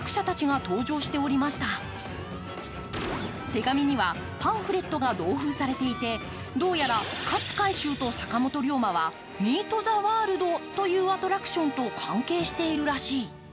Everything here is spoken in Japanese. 手紙にはパンフレットが同封されていてどうやら勝海舟と坂本龍馬はミート・ザ・ワールドというアトラクションと関係しているらしい。